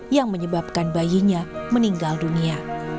yang menyebabkan bayinya meninggal dunia